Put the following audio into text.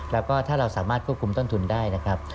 แล้วก็ถ้าเราสามารถควบคุมต้นทุนได้นะครับ